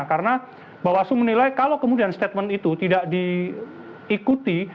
karena bawaslu menilai kalau kemudian statement itu tidak diikuti